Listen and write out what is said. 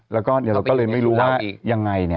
แล้วก็เราก็เลยไม่รู้ว่ายังไง